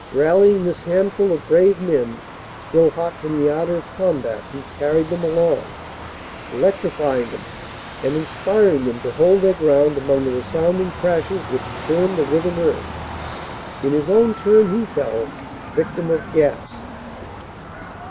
Rallying this handful of brave men, still hot from the ardor of combat, he carried them along, electrifying them and inspiring them to hold their ground among the resounding crashes which churned the riven earth. In his own turn he fell, victim of gas.